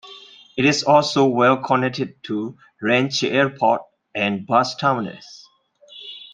It is also well connected to Ranchi Airport and Bus Terminals.